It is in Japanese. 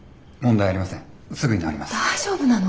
大丈夫なの？